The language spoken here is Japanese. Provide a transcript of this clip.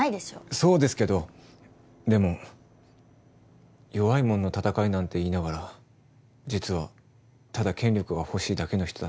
そうですけどでも弱いもんの闘いなんて言いながら実はただ権力が欲しいだけの人だったら。